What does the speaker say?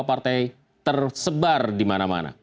partai tersebar di mana mana